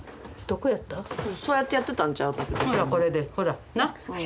これでほらなっ。